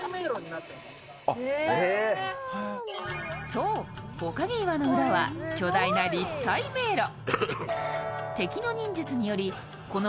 そう、火影岩の裏は巨大な立体迷路。